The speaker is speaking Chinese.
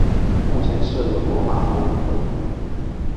目前设有罗马博物馆。